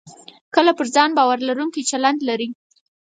کله پر ځان باور لرونکی چلند لرئ